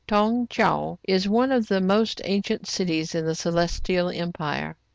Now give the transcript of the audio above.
Tong Tcheou is one of the most ancient cities in the Celestial Empire.